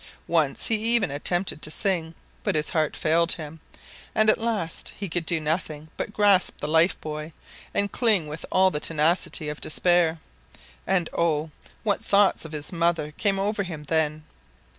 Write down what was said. Once he even attempted to sing, but his heart failed him, and at last he could do nothing but grasp the life buoy and cling with all the tenacity of despair. And, oh! what thoughts of his mother came over him then!